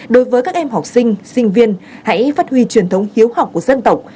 đối với các em học sinh sinh viên hãy phát huy truyền thống hiếu học của dân tộc